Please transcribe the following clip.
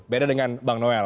beda dengan bang noel